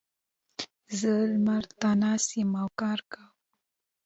زه لمر ته ناست یم او کار کوم.